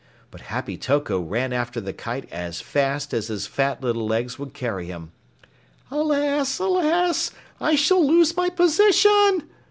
But Happy Toko ran after the kite as fast as his fat little legs would carry him. "Alas, alas, I shall lose my position!"